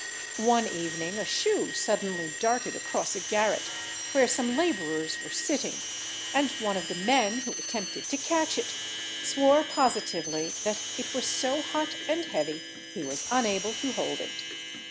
One evening, a shoe suddenly darted across a garret where some labourers were sitting, and one of the men, who attempted to catch it, swore positively that it was so hot and heavy he was unable to hold it.